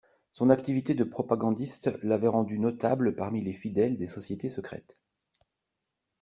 Son activité de propagandiste l'avait rendu notable parmi les fidèles des sociétés secrètes.